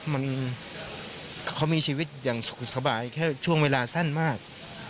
มันเขามีชีวิตอย่างสุขสบายแค่ช่วงเวลาสั้นมาก